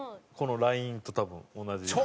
このラインと多分同じ。